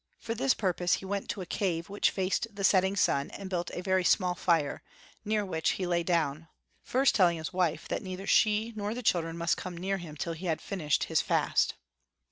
For this purpose he went to a cave which faced the setting sun and built a very small fire, near which he lay down, first telling his wife that neither she nor the children must come near him till he had finished his i fast.